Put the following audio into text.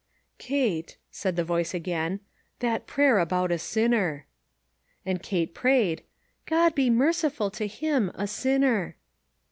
" Kate," said the voice again, " that prayer about a sinner." And Kate prayed :" God be merciful to him a sinner."